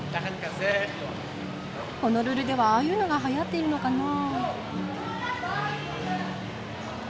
ホノルルではああいうのがはやっているのかなぁ。